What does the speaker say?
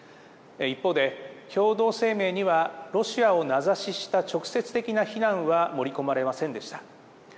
一方で、共同声明にはロシアを名指しした直接的な非難は盛り込まれませんでした。